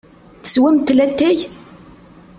Teswamt latay?